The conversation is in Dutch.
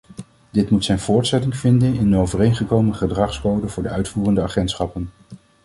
Dit moet zijn voortzetting vinden in de overeengekomen gedragscode voor de uitvoerende agentschappen.